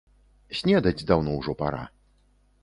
Снедаць даўно ўжо пара.